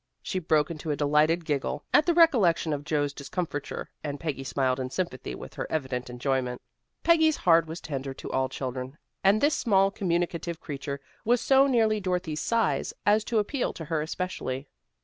She broke into a delighted giggle at the recollection of Joe's discomfiture, and Peggy smiled in sympathy with her evident enjoyment. Peggy's heart was tender to all children, and this small, communicative creature was so nearly Dorothy's size as to appeal to her especially.